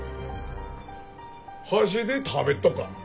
箸で食べっとか？